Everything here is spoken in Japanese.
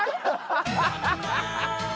ハハハハハ！